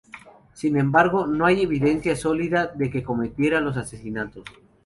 Sin embargo, no hay evidencia sólida de que cometiera los asesinatos.